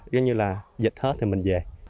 giống như là dịch hết thì mình về